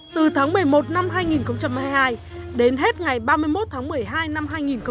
từ tháng một mươi một năm hai nghìn hai mươi hai đến hết ngày ba mươi một tháng một mươi hai năm hai nghìn hai mươi